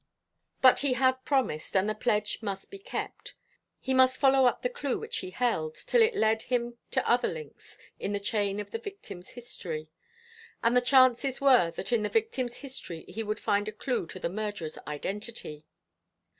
But he had promised, and the pledge must be kept. He must follow up the clue which he held till it led him to other links in the chain of the victim's history; and the chances were that in the victim's history he would find a clue to the murderer's identity.